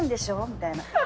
みたいな。